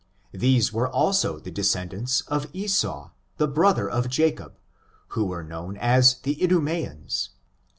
These were . also the descendants of Esau, the brother of Jacob, who were known as the Idumeans.